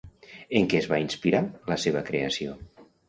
En què es va inspirar la seva creació?